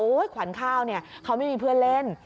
ขวัญข้าวเนี่ยเขาไม่มีเพื่อนเล่น